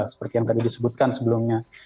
seperti yang tadi disebutkan sebelumnya